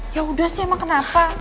ya udah sih emang kenapa